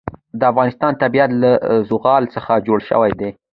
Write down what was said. د افغانستان طبیعت له زغال څخه جوړ شوی دی.